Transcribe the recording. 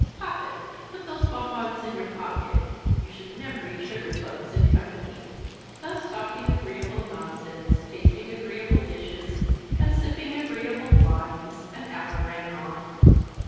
Poppet! put those bonbons in your pocket. You should never eat sugar plums in company." Thus talking agreeable nonsense, tasting agreeable dishes, and sipping agreeable wines, an hour ran on.